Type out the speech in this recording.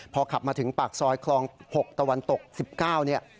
พอขับมาถึงปากซอยคลอง๖ตะวันตก๑๙เนี่ย